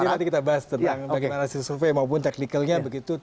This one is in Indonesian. seperti yang tadi kita bahas tentang bagaimana hasil survei maupun technicalnya begitu